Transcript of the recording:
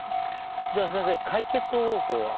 じゃあ先生解決方法は？